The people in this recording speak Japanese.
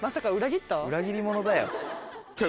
裏切り者だよ。